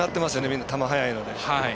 みんな球、速いので。